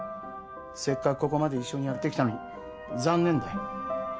せっかくここまで一緒にやってきたのに残念だよ。